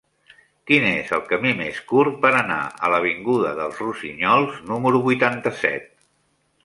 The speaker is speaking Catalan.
Quin és el camí més curt per anar a l'avinguda dels Rossinyols número vuitanta-set?